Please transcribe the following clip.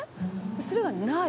それがない。